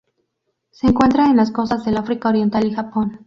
Se encuentra en las costas del África Oriental y Japón.